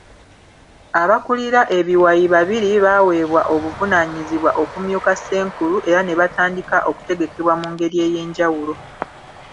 Abakulira ebiwayi babiri baaweebwa obuvunaanyizibwa okumyuka Ssenkulu era ne batandika okutegekebwa mu ngeri ey’enjawulo.